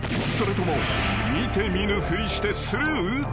［それとも見て見ぬふりしてスルー？］